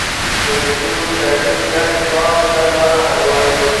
د نجونو تعليم ګډ کار ته لاره هواروي.